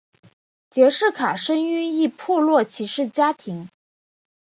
杰式卡生于一破落骑士家庭。